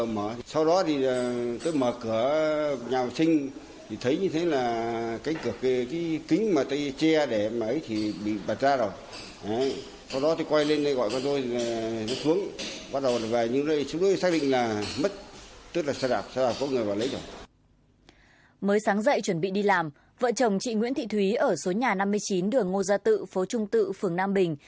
mới sáng dậy chuẩn bị đi làm vợ chồng chị nguyễn thị thúy ở số nhà năm mươi chín đường ngo gia tự phố trung tự phường nam bình